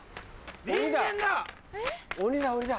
人間だ！